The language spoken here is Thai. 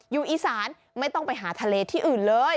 อยู่อีสานไม่ต้องไปหาทะเลที่อื่นเลย